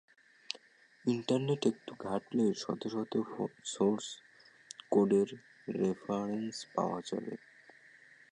ইন্টারনেটে একটু ঘাটলেই শত শত সোর্স কোডের রেফারেন্স পাওয়া যাবে।